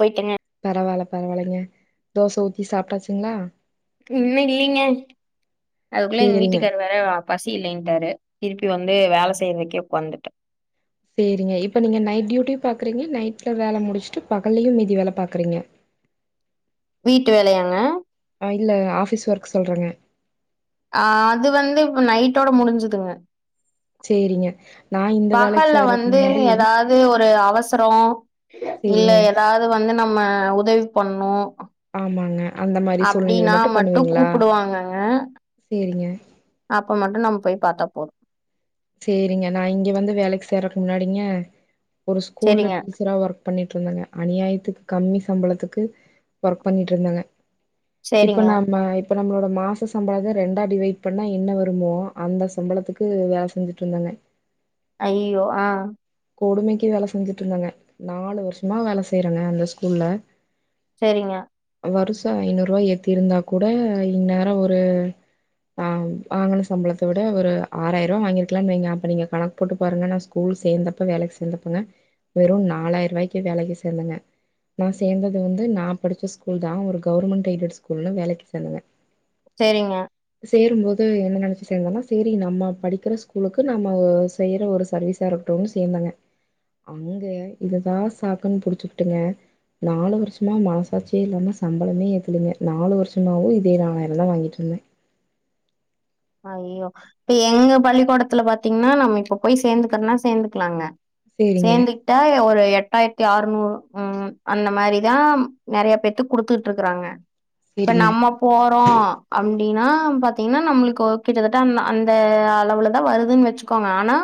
போய்ட்டங்க பரவாயில்ல பரவாயில்லைங்க தோச ஊத்தி சாப்ட்டாச்சுங்ளா இன்னு இல்லிங்க அதுக்குள்ள எங் சேரிங்க வீட்டுக்காரு வேற பசி இல்லைன்ட்டாரு திருப்பி வந்து வேல செய்றக்கே உட்காந்துட்ட செரிங்க இப்ப நீங்க நைட் டியூட்டியு பாக்குறீங்க நைட்ல வேல முடிச்ட்டு பகல்லையு மீதி வேல பாக்குறீங்க வீட்டு வேலையாங்க ஆ இல்ல ஆஃபிஸ் ஒர்க் சொல்றங்க ஆ அது வந்து இப்ப நைட்டோட முடிஞ்சுதுங்க சேரிங்க நா இந்த வேலைக்கு பகல்ல சேர்றக்கு வந்து முன்னாடி ஏதாவது ஒரு அவசரோ இல்ல சேரிங்க ஏதாவது வந்து நம்ம உதவி பண்ணு ஆமாங்க அந்த மாரி சூழ்நிலைல அப்டின்னா மட்டு பண்ணுவீங்களா கூப்டுவாங்கங்க சேரிங்க அப்ப மட்டு நம்ம போய் பார்த்தா போது சேரிங்க நா இங்க வந்து வேலைக் சேர்றக்கு முன்னாடிங்க ஒரு ஸ்கூல்ல செரிங்க டீச்சரா ஒர்க் பண்ணிட்ருந்தாங்க அநியாயத்துக்கு கம்மி சம்பளத்துக்கு ஒர்க் பண்ணிட்டு இருந்தங்க இப்ப செரிங்க நாம்ம இப்ப நம்மளோட மாச சம்பளத்த ரெண்டா டிவைட் பண்ணா என்ன வருமோ அந்த சம்பளத்துக்கு வேல செஞ்சுட்ருந்தங்க ஐய்யியோ ஆ கொடுமைக்கு வேல செஞ்சுட் இருந்தங்க நாலு வர்ஷமா வேல செய்றங்க அந்த ஸ்கூல்ல செரிங்க வருஷோ ஐநூறுவா ஏத்தி இருந்தாக் கூட இந்நேரோ ஒரு ஆ வாங்கன சம்பளத்த விட ஒரு ஆறாயிரவா வாங்கிருக்கலான் வைங்க அப்ப நீங்க கணக் போட்டு பாருங்க நா ஸ்கூல் சேந்தப்ப வேலைக் சேந்தப்பங்க வெறு நாலாயிர்வாய்க்கு வேலைகு சேந்தங்க நா சேந்தது வந்து நாப் படிச்ச ஸ்கூல்தா ஒரு கவுர்மெண்ட் எய்டெட் ஸ்கூல்னு வேலைக்கு சேந்தேங்க சேரிங்க சேரும்போது என்ன நெனச்சு சேந்தனா சேரி நம்ம படிக்கிற ஸ்கூலுக்கு நம்ம ஒ செய்யற ஒரு சர்வீஸ் சா இருக்டுன் சேந்தேங்க அங்க இதுதா சாக்குன் புடிச்சுக்டுங்க நாலு வருஷமா மனசாட்சியே இல்லாம சம்பளமே ஏத்துலிங்க நாலு வருஷமாவு இதேதா நாலயிரந்தா வாங்கிட்ருந்தே அய்யோ இப்ப எங்கப் பள்ளிக்கோடத்துல பாத்தீங்னா நம்ம இப்ப போய் சேந்துகர்னா சேந்துக்லாங்க சேரிங்க, சேந்துக் டாய ஒரு எட்டாயிரத்தி ஆர்நூறு ம் அந்த மாரிதாம் நெறையப் பேத்துக் குடுத்துட்ருக்கறாங்க இப்ப சேரிங்க, நம்ம போறோ அம்டினாம் பாத்தீங்கினா நம்ளுக் கோ கிட்டதட்ட அந்த அந்த அளவுலதா வருதுன் வெச்சுகோங்க ஆனா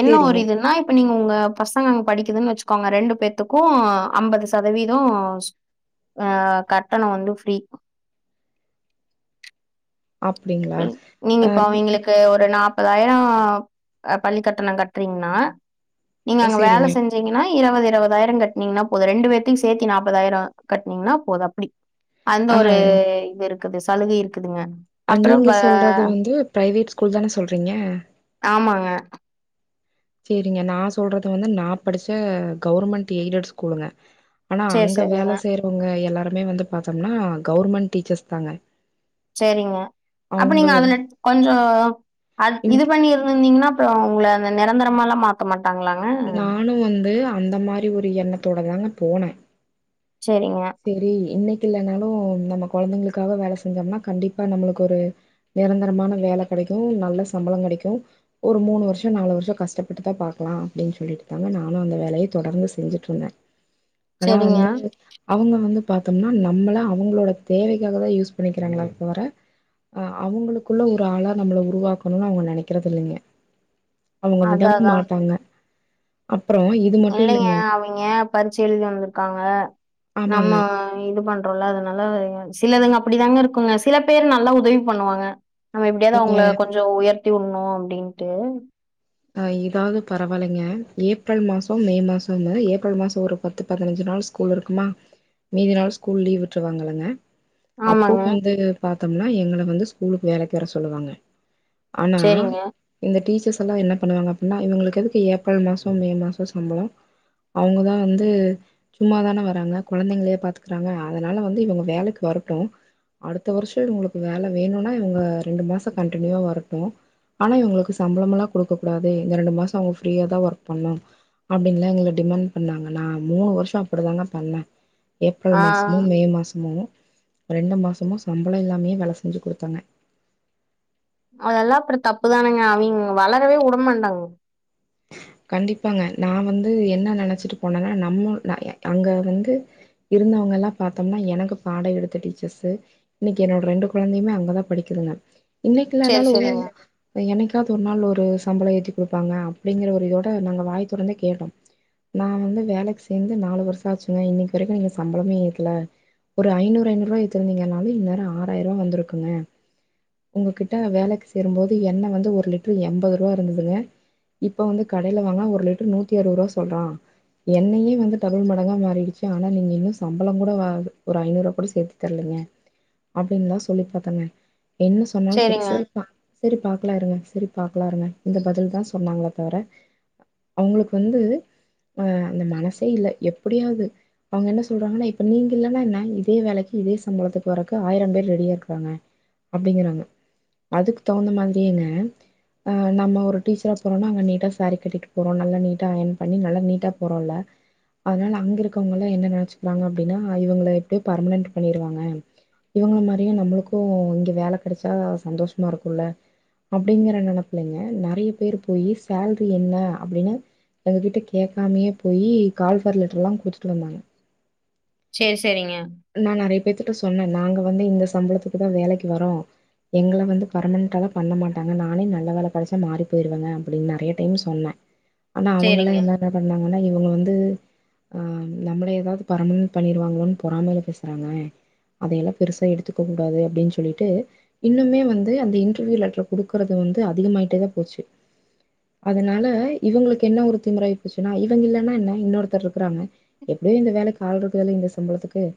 என்ன ஒரு சேரிங்க. இதுன்னா இப் இப்ப நீங்க உங்க பசங்க அங்க படிக்கிதுன் வெச்சுக்கோங்க ரெண்டு பேத்துக்கு அம்பது சதவீதோசு ஆ கட்டணோ வந்து ஃப்ரீ அப்டிங்க நீங்க இப்ப அவிங்கிளுக்கு ஒரு நாப் பதாயிரோ அ பள்ளிக்கட்டணங் கட்றீங்னா நீங்க அங்க வேல சேரிங்க. செஞ்ச ரிங்கனா இருவது இருவதாயிரங் கட்னீங்னாப் போது ரெண்டு பேத்துக் சேத்தி நாப்பதாயிரோ கட்னீங்னாப் போது அப்டி அந்த ஆ ஒரு இது இருக்குது சலுகை இருக்குதுங்க அ அப்புறம் நீங்க ப சொல்றது வந்து பிரைவேட் ஸ்கூல்தானே சொல்றீங்க ஆமாங்க சேரிங்க நா சொல்றது வந்து நாப் படிச்ச கவுர்மெண்ட் எய்டட் ஸ்கூலுங்க ஆனா சரி, அங்க சரிங்க. வேல செய்றவுங்க எல்லாருமே வந்துப் பாத்தோம்னா கவுர்மெண்ட் டீச்சர்ஸ் தாங்க சேரிங்க அப்ப அவங்க நீங்க அதுலட் கொஞ்சோ அத் இது இன்க் பண்ணிருந்திந்தீங்கனாப் ப்றோ உங்ள அந்த நெரந்தரமாலாம் மாத் க்க மாட்டாங்ளாங்க நானு வந்து அந்த மாரி ஒரு எண்ணத்தோட தாங்க போனே செரிங்க செரி இன்னைக்கு இல்லனாலு நம்மக் கொழந்தைங்ளுக்காக வேல செஞ்சோம்னா கண்டிப்பா நம்முளுக்கு ஒரு நெரந்தரமான வேல கெடைக்கு நல்ல சம்ளோங் கெடைக்கு ஒரு மூனு வருஷோ நாலு வருஷோ கஷ்டபட்டுதா பாக்லா அப்டின் சொல்லிட்டுதாங்க நானு அந்த வேலய தொடர்ந்து செஞ்சிட்ருந்தே ஆனா சரிங்க. வந்து அவங்க வந்து பாத்தோம்னா நம்மள அவுங்ளோடத் தேவைக்காகதா யூஸ் பண்ணிக்கிறாங்களேத் தவர அ அவுங்ளுக்குள்ள ஒரு ஆளா நம்மள உருவாக்கணுன் அவுங்க நெனைக்கிறதில்லைங்க அவுங்க அதான், விடவும் அதான். மாட்டாங்க அப்றோ இ இல்லைங்க அவிங்க பரிட்ச எழுதி வந்துருக்காங்க நம்ம ஆமாங்க இங்க இது பண்றோல்ல அதனால சிலதுங்க அப்டிதாங்க இருக்குங்க சிலப் பேர் நல்லா உதவிப் பண்ணுவாங்க நம்ம எப்டியாவது நீங்க அவுங்ள கொஞ்சோ உயர்த்தி உன்னு அப்டின்ட்டு அ இதாவது பரவாலைங்க ஏப்ரல் மாசோ மே மாசோம்மு ஏப்ரல் மாசோ ஒருப் பத்து பதனஞ்சு நாள்ச் கூல் இருக்குமா மீதி நாள் ஸ்கூல் லீவ் விட்ருவாங்களங்க ஆமாங்க அப்போம் வந்து பாத்தோம்னா எங்கள வந்து ஸ்கூலுக்கு வேலைக்கு வர சொல்லுவாங்க ஆனா சரிங்க இந்த டீச்சர்ஸ் எல்லா என்னப் பண்ணுவாங்க அப்புன்னா இவுங்களுக்கு எதுக்கு ஏப்ரல் மாசம் மே மாசோ சம்பளோ அவுங்கதா வந்து சும்மாதான வராங்க குழந்தைங்களயா பாத்துக்கறாங்க அதனால வந்து இவுங்க வேலைக்கி வரட்டு அடுத்த வருஷோ இவுங்களுக்கு வேல வேணுன்னா இவுங்க ரெண்டு மாஸோ கண்டினியூவா வரட்டு ஆனா இவுங்களுக்கு சம்பளமெல்லா குடுக்க கூடாது இந்த ரெண்டு மாஸோ அவுங்க ஃப்ரீயா தா ஒர்க் பண்ணு அப்டின்ல்லா எங்கள டிமண்ட் பண்ணாங்க நா மூணு வருஷோ அப்டித்தாங் பண்ணே ஏப்ரல் ஆ மாசமு மே மாசமு ரெண்டு மாசமு சம்பளமில்லாமே வேல செஞ்சு கொடுத்தேங்க அதெல்லா அப்ரோ தப்பு தானங்க அவிங் வளரவே உடமாட்டாங் கண்டிப்பாங்க நா வந்து என்ன நெனைச்சிட்டு போனேன்னா நம்ம அங்க வந்து இருந்தவ்ங்கல்லா பாத்தோம்னா எனக்கு பாடோ எடுத்த டீச்சர்ஸு இன்னைக்கி என்னோட ரெண்டு குழந்தையுமே அங்கதா படிக்கிதுங்க இன்னைக்கி சரி இல்லனாலு சரிங்க என்னைக்காவுது ஒரு நாள் ஒரு சம்பளோ ஏத்தி கொடுப்பாங்க அப்டிங்கிற ஒரு இதோட நாங்க வாய்ய தொரந்து கேட்டோ நா வந்து வேலைக்கி சேந்து நாலு வருஷோ ஆச்சுங்க இன்னைக்கி வரைக்கு நீங்க சம்பளமே ஏத்தல ஒரு ஐநூறு ஐநூருவா எத்திருந்தீங்கனாலு இன்நேரோ ஆராயிருவா வந்திருக்குங்க ஒங்க கிட்ட நா வேலைக்கி சேரும்போது எண்ண வந்து ஒருலிட்டரு எம்பது ருவா இருந்ததுங்க இப்போ வந்து கடைல வாங்குனா ஒரு லிட்ரு நூத்தி அருவோருவா சொல்றா என்னையே வந்து டபுள் மடங்கா மாறிடுச்சு ஆனா நீங்க இன்னு சம்பளோ கூட வ ஒரு ஐநூறுவா கூட சேத்து தர்லிங்க அப்டின்லா சொல்லி பாத்தேங்க என்ன சொ சொன்னாலு செரி சரிங்க செரிபா செரி பாக்லா இருங்க செரி பாக்லா இருங்க இந்த பதில் தா சொன்னாங்க தவர அவுங்ளுக்கு வந்து ஆ அந்த மனசே இல்ல எப்டியாவ்து அவ்ங்க என்ன சொல்றாங்கன்னா இப்ப நீங்க இல்லன்னா என்னால இதே வேலைக்கி இதே சம்பளத்துக்கு வரக்கு ஆயிரம் பேர் ரெடியா இருக்கறாங்க அப்டிங்கறாங்க அதுக்கு தகுந்த மாதிரியேங்க ஆ நம்ம ஒரு டீச்சரா போறோனா பண்ணிட்டோ சேரி கட்டிட்டு போறோ நல்லா நீட்டா அயன் பண்ணி நல்லா நீட்டா போறோல்ல அதுனால அங்க இருக்கறவ்ங்களா என்ன நெனச்சுக்கிறாங்க அப்டின்னா இவுங்கள எப்டியு பர்மனன்ட் பண்ணிடுவாங்க இவுங்கள மாரியே நம்ளுக்கு இங்க வேல கெடச்சா சந்தோஷமா இருக்குல்ல அப்டிங்கற நெனைப்புலங்க நெறைய பேர் போயி சேல்ரி என்ன அப்டின்னு அது கிட்ட கேட்காமயே போயி கால்ஃபர் லெட்டரு லா குடுத்துட்டு வந்தாங்க சேர் செரிங்க நா நெறைய பேத்துட்ட சொன்னே நாங்க வந்து இந்த சம்பளத்துக்கு தா வேலைக்கி வரோ எங்கள வந்து பெர்மனன்ட்டெல்லா பண்ண மாட்டாங்க நானே நல்ல வேல கெடச்சா மாறி போய்ருவேங்க அப்டின்னு நெறைய டைம் சொன்ன ஆனா அவங்களா சரிங்க எல்லார் என்ன பண்ணாங்கன்னா இவங்க வந்து நம்மள ஏதாவுது பரமனநன்ட் பண்ணிருவங்களோன் பொறாமையில் பேசுறாங்க அதயெல்லா பெருசா எடுத்துக்க கூடாது அப்டின் சொல்லிட்டு இன்னுமே வந்து அந்த இன்டர்வியூ லெட்டர் குடுக்குறது வந்து அதிகமாயிட்டே தா போச்சு அதுனால இவுங்களுக்கு என்ன ஒரு திமிராயி போச்சுன்னா இவங்க இல்லன்னா என்ன இன்னொருத்தர் இருக்கறாங்க எப்டியோ இந்த வேலைக்கி ஆள் இருக்குதுல இந்த சம்பளத்துக்கு கு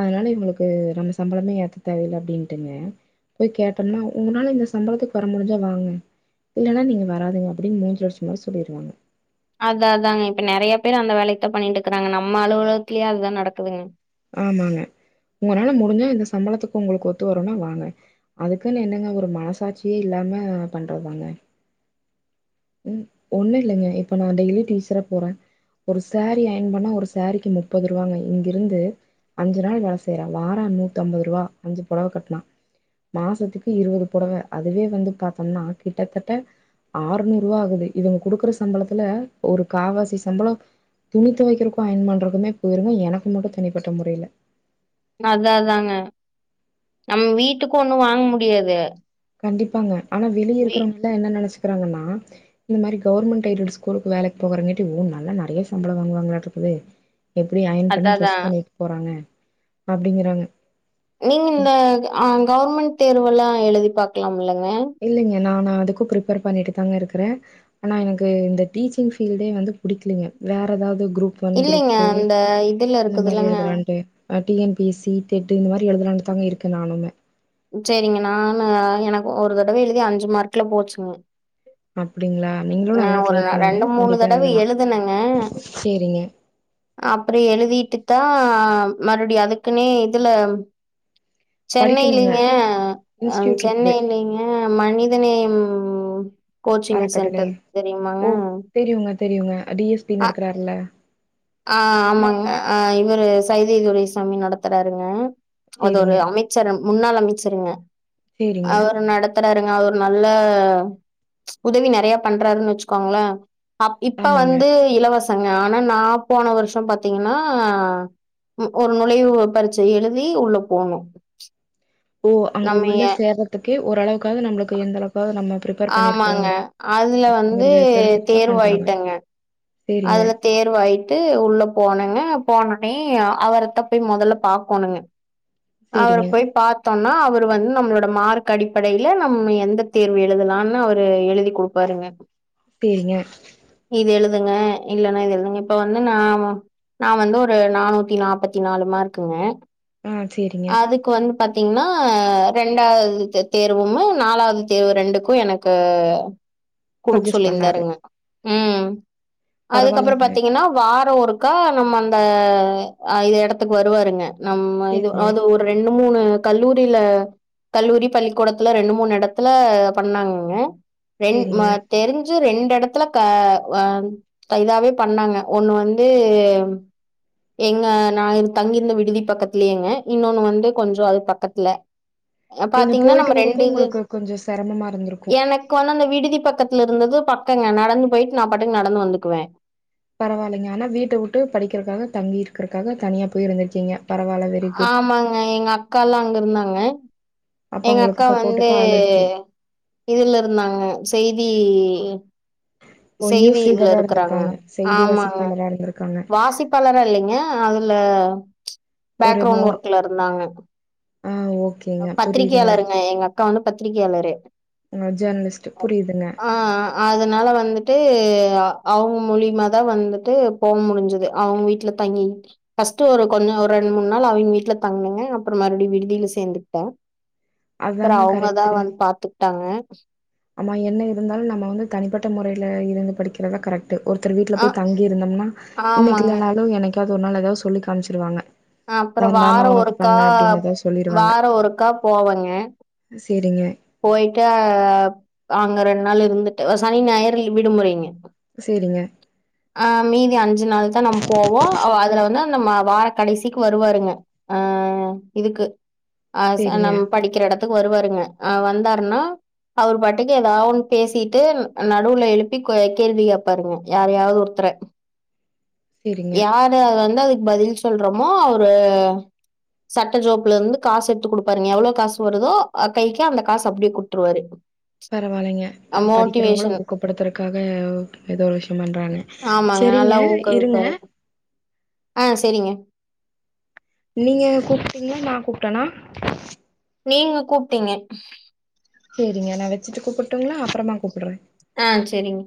அதனால இவ்ங்களுக்கு நம்ம சம்பளமே ஏத்த தேவல்ல அப்டின்ட்டுங்க போய் கேட்டோம்னா உங்கனால இந்த சம்பளத்துக்கு வர முடிஞ்சா வாங்க இல்லன்னா நீங்க வராதிங்க அப்டின் மூஞ்சில அடிச்ச மாரி சொல்லிருவாங்க அதா அதாங்க இப்ப நெறைய பேரு அந்த வேலயத்தா பண்ணிட்ருக்கறாங்க நம்ம அலுவலகத்துலே அதுதா நடக்குதுங்க ஆமாங்க உங்கனால முடிஞ்சா இந்த சம்பளத்துக்கு உங்களுக்கு ஒத்து வருனா வாங்க அதுக்குன்னு என்னங்க ஒரு மனசாட்சியே இல்லாம பண்றதாங்க ம் ஒண்ணு இல்லங்க இப்ப நா டெய்லி டீச்சரா போறே ஒரு சேரீ அயன் பண்ணா ஒரு சேரீக்கு முப்பது ரூவாங்க இங்கிருந்து அஞ்சு நாள் வேல செய்யறா வாரோ நூத்தம்பதுருவா அஞ்சு புடவ கட்னா மாசத்துக்கு இருவது புடவ அதுவே வந்து பாத்தோனா கிட்டத்தட்ட ஆறுநூ ரூபாகுது இவங்க குடுக்குற சம்பளத்துல ஒரு காவாசி சம்பளோ துணி துவைக்கறக்கு அயன் பண்றக்குமே போயிருங்க எனக்கு மட்டு தனிப்பட்ட மொறையில அதாதாங்க நம்ம வீட்டுக்கு ஒண்ணு வாங்க முடியாது கண்டிப்பாங்க ஆனா வெளிய வீ- இருக்கிறவங்கல என்ன நெனச்சிக்கறாங்கன்னா இந்த மாரி கவர்மெண்ட் எய்டடு ஸ்கூலுக்கு வேலைக்கு போறங்காட்டி ஓ நல்ல நெறைய சம்பளோ வாங்குவங்களாட்ருக்குதே எப்டி அயன் பண்ணி அதான் ட்ரெஸ் அதான் பண்ணிட்டு போறாங்க அப்டிங்கறாங்க நீங்க இந்த ஆ கவர்மெண்ட் தேர்வெல்லா எழுதி பாக்கலாம்ல்லங்க இல்லைங்க நான் அதுக்கு ப்ரிப்பேர் பண்ணிட்டு தாங்க இருக்கற ஆனா எனக்கு இந்த டீச்சிங் ஃபீல்டே வந்து புடிக்கலீங்க வேற ஏதாவது குரூப் ஒன் குரூப் இல்லைங்க. டூ அந்த இதுல இந்த மாரி இருக்குதுல்லங்க. எழுதலான்ட்டு T N P S C TET இந்த மாரி எழுதலான்ட்டு தாங்க இருக்க நானுேமே சேரிங்க நானு எனக்கு ஒரு தடவ எழுதி அஞ்சு மார்க்ல போச்சுங்க அப்டிங்களா நீங்களு நல்லா நான் ட்ரை ஒரு பண்ணுங்க ரெண்டு மூணு கண்டிப்பா தடவ எழுதலா எழுதுனங்க சேரிங்க அப்றோ எழுதிட்டுத்தா மறுபடியு அதுக்குனே இதுல படிக்கணுங்க சென்னைலிங்க அ இன்ஸ்டியூட் இருக்குது சென்னைலிங்க ம் மனிதநேயம் கோச்சிங் அறக்கட்டளை சென்டர் இருக்கு தெரியுமாங்க ஓ தெரியுங்க தெரியுங்க டி எஸ் பி அ நடத்தறாருள ஆ ஆமாங்க ஆ இவரு சைதை துரைசாமி நடத்தறாருங்க அது ஒரு சேரிங்க அமை ச்சர் முன்னாள் அமைச்சருங்க சேரிங்க அவர் நடத் த்துறாருங்க அவர் நல்ல உதவி நெறைய பண்றாருன்னு வச்சுக்கோங்கள அப் இப்ப ஆமாங்க வந்து இலவசங்க ஆனா நா போன வருஷோ பாத்தீங்கன்னா ஒரு நுழைவு பரிட்ச எழுதி உள்ள போணு ஓ அங்க உள்ள சேர்றதுக்கே ஓரளவுக்காவது நம்மளுக்கு எந்த அளவுக்காவது நம்ம ப்ரிப் பிரிபேர் பண்ணிருக்கோ ஆமாங்க அதுல வந்து அப்டிங்கறத தெரிஞ்சுட்டுதா பண்றாங்க தேர்வாயிட்டங்க சரிங்க, அதுல தேர்வாயிட்டு உள்ள போணங்க போனோனே அவர தா போய் மொதல்ல பாக்கணுங்க அவர சரிங்க, போய் பா தோம்னா அவர் வந்து நம்மளோட மார்க் அடிப்படையில நம்ம எந்த தேர்வு எழுதலாம்னு அவரு எழுதி கொடு ப்பாருங்க சேரிங்க இது எழுதுங்க இல்லன்னா இது எழுதுங்க இப்ப வந்து நா நா வந்து ஒரு நானூத்தி நாப்பத்தி நாலு மார்க்குங்க ம் சேரிங்க க்கு வந்து பாத்தீங்கன்னா ரெண்டாவது தே தேர்வும்மு நாலாவது தேர்வு ரெண்டுக்கு எனக் கு குடுக்க சஜெஸ்ட் பண்ணாரு. சொல்லிருந்தாருங்க ம் அதுக்கப்றோ பரவாயில்லங்க. பாத்தீங்கன்னா வாரோ ஒரு க்கா நம்ம அந்த இது இடத்துக்கு வருவாருங்க நம்ம இது சரிங்க, அது ஒரு ரெண்டு மூணு கல்லூரில கல்லூரி பள்ளிக்கூடத்துல ரெண்டு மூணு எடத்துல பண்ணாங்கங்க ரெண் ம சரிங்க. தெரிஞ்சு ரெண்டு எடத்துல க அ இதாவே பண்ணாங்க ஒண்ணு வந்து எங்க நா தங்கியிருந்த விடுதி பக்கத்துலயேங்க இன்னொன்னு வந்து கொஞ்சோ அது பக்கத்துல நீங்க பாத்தீங்கன்னா போயிட்டு நம்ம ரெண்டு வரக்கும் இது உங்களுக்கு கொஞ்சம் சிரமமா இருந்திருக்கும். எனக் கொழந்த விடுதி பக்கத்துல இருந்தது பக்கங்க நடந்து போயிட்டு நா பாட்டுக்கு நடந்து வந்துக்குவே பரவால்லைங்க ஆனா வீட்ட உட்டு படிக்கிறக்காக தங்கி இருக்கறக்காக தனியா போய் இருந்திருக்கீங்க பரவால்ல வெரி குட். ஆமாங்க எங்க அக்காலா அங்க இருந்தாங்க அப்ப எங்க உங்களுக்கு அக்கா வந்து சப்போர்ட்டுக்கு ஆள் இருக்கு. இதுல இருந்தாங்க செய்தி ஓ! செய்தி நியூஸ் இதுல ரீடரா இருக்கறாங்க இருந்திருக்காங்க. செய்தி ஆமாங்க வாசிப்பாளரா இருந்திருக்காங்க. வாசிப் பாளரா இல்லிங்க அதுல ஒரு பேக்ரவுண்ட் மோன் ஒர்க்ல இருந்தாங்க ஆ ஓகே பத்திரிகையாளருங்க எங்க அக்கா வந்து பத்திரிகையாளரு உன்னோ ஜேனலிஸ்ட்டு புரியுதுங்க ஆ அதனால வந்துட்டு அவுங்க மூலியமா தா வந்துட்டு போ முடிஞ்சது அவுங்க வீட்ல தங்கி ஃபஸ்டு ஒரு கொஞ்சோ ஒரு ரெண்டு மூண் நாளு அவிங் வீட்ல தங்கனுங்க அப்புறோ மறுபடி விடுதியில சேந்துக்கிட்டே அப்பறோ அதாங்க அவுங்கதா கரெக்ட்டு வந்து பாத்துக்கிட்டாங்க ஆமா என்ன இருந்தாலு நம்ம வந்து தனிப்பட்ட முறையில இருந்து படிக்கிறதா கரெக்ட் ட்டு ஒருத்தர் வீட்ல அ போய் தங்கிருந்தோம்னா இன்னக்கி ஆமாங்க. இள்ளனாளு என்னக்காவ்து ஒரு நாள் எதாவ்து சொல்லி காம்ச்சிருவாங்க அ அப்பறோ வாரோ ஒருக்கா சொல்லிருவாங்க வாரோ ஒருக்கா போவேங்க சேரிங்க போயிட்டா அங்க ரெண்ட் நாள் இருந்துட்டு சனி நாயர் விடுமுறைங்க சேரிங்க ஆ மீதி அஞ்சு நாள் தா நம் போவோ அதுல வந்து நம்ம வார கடைசிக்கு வருவாருங்க அ இதுக்கு ஆ சேரிங்க நம் படிக்கிற எடத்துக்கு வருவாருங்க ஆ வந்தாருன்னா அவுரு பாட்டுக்கு ஏதாவ்து ஒன்னு பேசிட்டு நடுவுல எழுப்பி கேள்வி கே பாருங்க யாரயாவது ஒருத்தர சேரிங்க யாரு அது வந்து அதுக்கு பதில் சொல்றோமோ அவுரு சட்ட ஜோப்புலருந்து காசு எடுத்து குடுப்பாருங்க எவ்ளோ காசு வருதோ அக் கைக்கி அந்த காசு அப்டியே குடுத்துருவாரு பரவால்லைங்க அ படிக்கிறவங்கள ஊக்கப்படுத்தறக்காக எதோ விஷயம் பண்றாங்க ஆமாங்க செரிங்க நல்லா இருங்க ஊக்குவிப்பாரு ஆ செரிங்க நீங்க கூப்ட்டீங்களா நா கூப்ட்டனா நீங்க கூப்ட்டீங்க சேரிங்க நா வச்சுட்டு கூப்புட்டுங்ளா அப்பறமா கூப்புறே ஆ செரிங்க